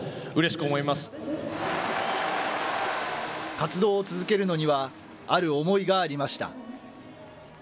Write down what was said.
活動を続けるのには、ある思いがありました。